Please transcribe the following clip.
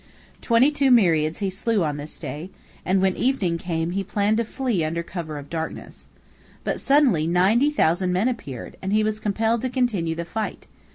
Twenty two myriads he slew on this day, and when evening came he planned to flee under cover of darkness. But suddenly ninety thousand men appeared, and he was compelled to continue the fight.